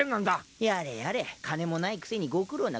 やれやれ金もないくせにご苦労なこっです。